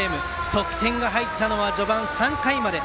得点が入ったのは序盤、３回まで。